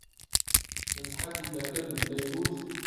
نسحەتی دەکردم دەیگوت: